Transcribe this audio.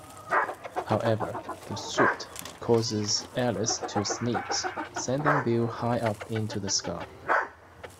However, the soot causes Alice to sneeze, sending Bill high up into the sky.